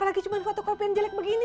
lagi cuma fotokopi yang jelek begini